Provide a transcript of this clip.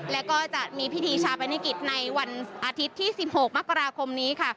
แล้วก็จะมีพิธีชาปนกิจในวันอาทิตย์ที่๑๖มกราคมนี้ค่ะ